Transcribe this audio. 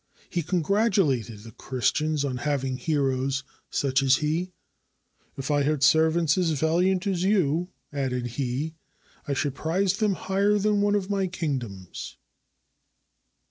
He congratulated the Christians on having heroes such as he: "If I had servants as valiant as you," added he, "I should prize them higher than one of my kingdoms."